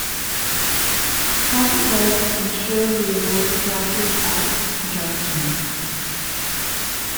Traffic lights ensure we avoid crashes at junctions.